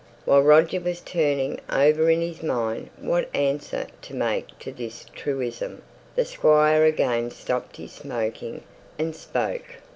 While Roger was turning over in his mind what answer to make to this truism, the squire again stopped his smoking and spoke.